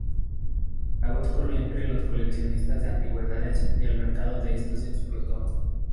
La voz corrió entre los coleccionistas de antigüedades, y el mercado de estos explotó.